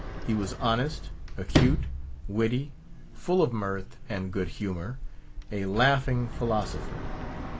He was honest, acute, witty, full of mirth and good humour—a laughing philosopher.